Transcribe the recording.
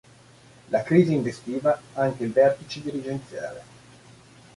La crisi investiva anche il vertice dirigenziale.